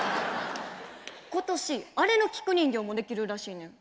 今年あれの菊人形も出来るらしいねん。